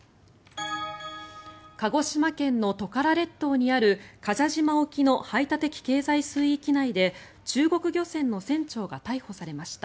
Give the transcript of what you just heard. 鹿児島県のトカラ列島にある臥蛇島沖の排他的経済水域内で中国漁船の船長が逮捕されました。